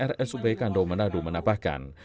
rsub kandow menado menambahkan